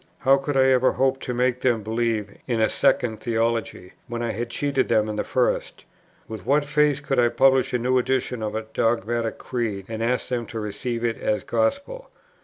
How could I ever hope to make them believe in a second theology, when I had cheated them in the first? With what face could I publish a new edition of a dogmatic creed, and ask them to receive it as gospel?